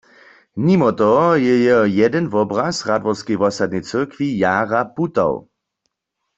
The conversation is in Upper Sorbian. Nimo toho je jeho jedyn wobraz w Radworskej wosadneje cyrkwi jara putał.